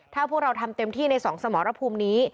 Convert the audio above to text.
ถ้าพวกเราทำเต็มที่ในสองสมรภูมินี้